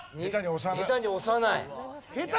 下手に押さない？